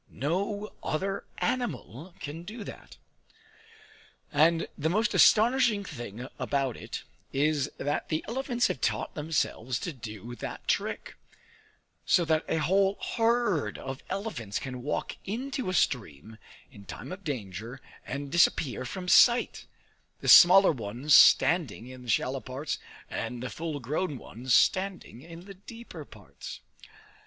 No other animal can do that. And the most astonishing thing about it is that the elephants have taught themselves to do that trick; so that a whole herd of elephants can walk into a stream in time of danger, and disappear from sight, the smaller ones standing in the shallow parts, and the full grown ones standing in the deeper parts.